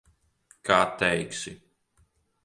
Kā teiksi.